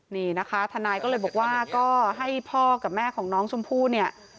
นี่นะคะทนายก็เลยบอกว่าก็ให้พ่อกับแม่ของน้องชมพู่เนี่ย